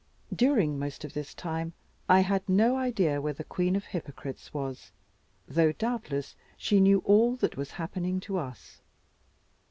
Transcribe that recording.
During most of this time, I had no idea where the queen of hypocrites was; though doubtless she knew all that was happening to us.